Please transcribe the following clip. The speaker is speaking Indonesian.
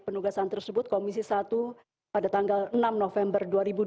penugasan tersebut komisi satu pada tanggal enam november dua ribu dua puluh